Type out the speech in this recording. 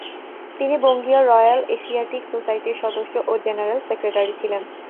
তিনি বঙ্গীয় royal Asiatic সোসাইটির সদস্য ও জেনারেল সেক্রেটারি ছিলেন।